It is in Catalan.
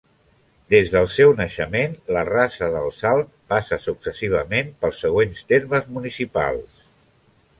Des del seu naixement, la Rasa del Salt passa successivament pels següents termes municipals.